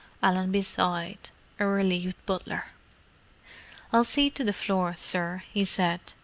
Allenby sighed, a relieved butler. "I'll see to the floor, sir," he said.